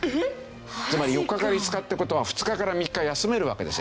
つまり４日から５日って事は２日から３日休めるわけですよ。